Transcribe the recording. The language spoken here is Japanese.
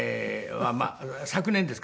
昨年ですか。